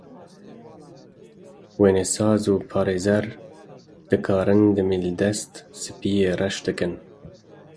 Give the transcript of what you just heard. Wênesaz û parêzer dikarin demildest spiyê reş bikin.